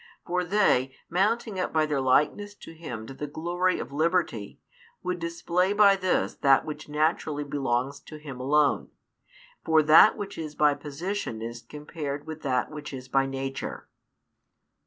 For they, mounting up by their likeness to Him to the glory of liberty, would display by this that which naturally belongs to Him alone. For that which is by position is compared with that which is by nature.